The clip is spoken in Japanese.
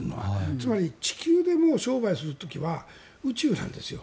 つまり地球で商売する時は宇宙なんですよ。